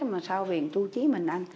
mà sao về thu chí mình ăn